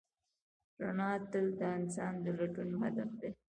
رڼا تل د انسان د لټون هدف دی.